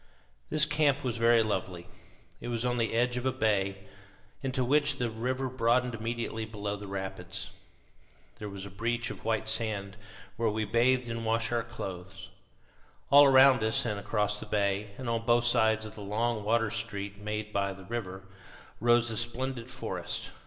This camp was very lovely. It was on the edge of a bay, into which the river broadened immediately below the rapids. There was a beach of white sand, where we bathed and washed our clothes. All around us, and across the bay, and on both sides of the long water street made by the river, rose the splendid forest.